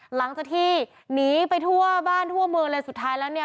หลังจากที่หนีไปทั่วบ้านทั่วเมืองเลยสุดท้ายแล้วเนี่ย